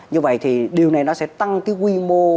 như vậy thì điều này nó sẽ tăng cái quy mô